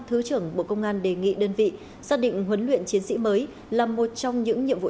thứ trưởng bộ công an đề nghị đơn vị xác định huấn luyện chiến sĩ mới là một trong những nhiệm vụ